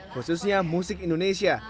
khususnya musik indonesia